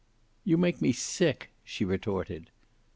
"You make me sick," she retorted.